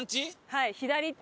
はい。